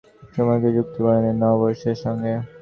প্রকৌশলী রতন রায় বছরের পুরোটা সময়কে যুক্ত করে নেন নববর্ষের সঙ্গে।